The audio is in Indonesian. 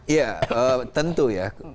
iya tentu ya